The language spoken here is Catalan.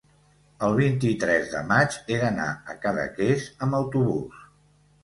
el vint-i-tres de maig he d'anar a Cadaqués amb autobús.